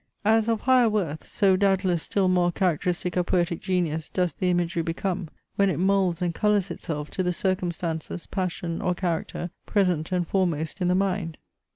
As of higher worth, so doubtless still more characteristic of poetic genius does the imagery become, when it moulds and colours itself to the circumstances, passion, or character, present and foremost in the mind.